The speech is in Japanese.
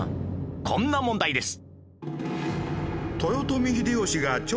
こんな問題です